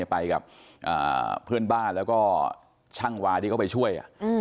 ไปกับเพื่อนบ้านแล้วก็ช่างวาที่เขาไปช่วย